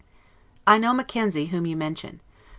I know Mackenzie, whom you mention.